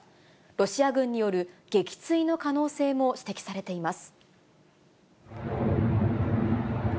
ロシア軍による撃墜の可能性も指摘されています。